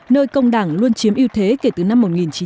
nơi công đảng luôn chiếm ưu thế kể từ năm một nghìn chín trăm ba mươi năm